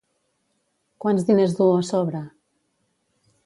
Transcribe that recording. Quants diners duu a sobre?